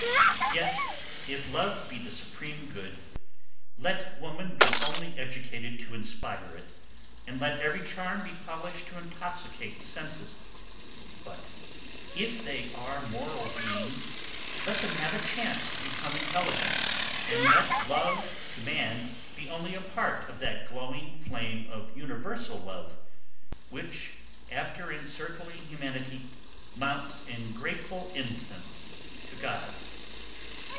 Yet, if love be the supreme good, let women be only educated to inspire it, and let every charm be polished to intoxicate the senses; but, if they are moral beings, let them have a chance to become intelligent; and let love to man be only a part of that glowing flame of universal love, which, after encircling humanity, mounts in grateful incense to God.